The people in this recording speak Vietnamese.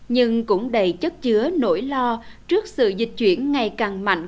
nhưng cũng đầy chất chứa nỗi lo trước sự dịch chuyển ngày càng mạnh